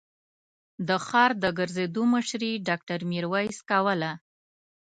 د ښار د ګرځېدو مشري ډاکټر ميرويس کوله.